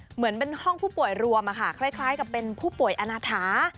เหมือนเป็นห้องผู้ป่วยรวมคล้ายกับเป็นผู้ป่วยอนาถา